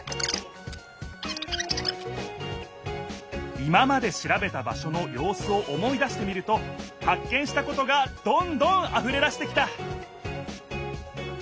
今までしらべた場所のようすを思い出してみるとはっ見したことがどんどんあふれだしてきた！